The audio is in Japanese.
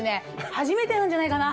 初めてなんじゃないかな。